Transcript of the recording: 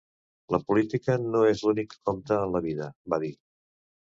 “La política no és l’únic que compta en la vida”, va dir.